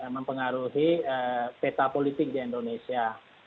mempengaruhi peta politik di indonesia